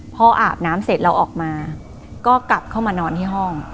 พออาบน้ำเสร็จเราออกมาก็กลับเข้ามานอนที่ห้อง